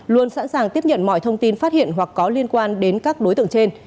luôn sẵn sàng tiếp nhận mọi thông tin phát hiện hoặc có liên quan đến các đối tượng trên